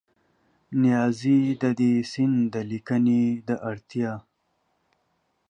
نیازي د دې سیند د لیکنې د اړتیا